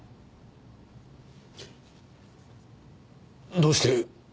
どうして！？